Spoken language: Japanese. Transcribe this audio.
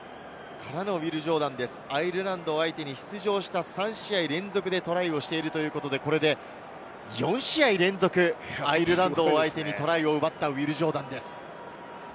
アイルランド相手に出場した３試合連続でトライしているということで４試合連続アイルランド相手にトライを奪ったウィル・ジョーダンです。